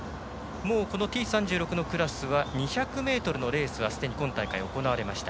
Ｔ３６のクラスは２００ｍのレースはすでに今大会、行われました。